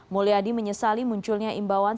mulia di menyesali munculnya imbauan